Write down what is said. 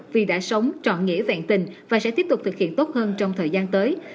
vì đã sống trọn nghĩa vẹn tình và sẽ tiếp tục thực hiện tốt hơn trong thời gian tới